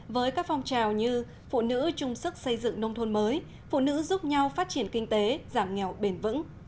với các phong trào như phụ nữ trung sức xây dựng nông thôn mới phụ nữ giúp nhau phát triển kinh tế giảm nghèo bền vững